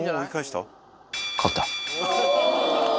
勝った。